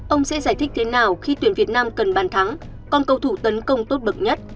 ông sẽ giải thích thế nào khi tuyển việt nam cần bàn thắng còn cầu thủ tấn công tốt bậc nhất